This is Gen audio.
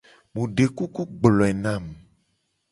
Mu de kuku gbloe na mu.